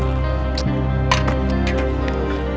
aku pengen bernafas dulu